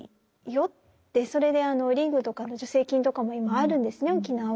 それでリングとかの助成金とかも今あるんですね沖縄は。